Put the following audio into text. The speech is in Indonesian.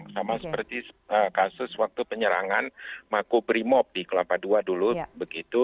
sama seperti kasus waktu penyerangan makobrimob di kelapa ii dulu begitu